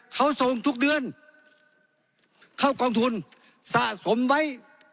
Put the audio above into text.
เขาส่งทุกเดือนเข้ากองทุนสะสมไว้